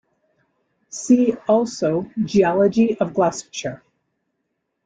See also Geology of Gloucestershire.